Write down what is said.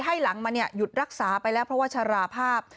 ให้หลังมันหยุดรักษาไปแล้วเพราะว่าชะลาภาพ